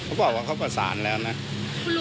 เขาบอกว่าเขาประสานแล้วนะ